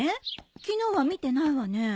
昨日は見てないわね。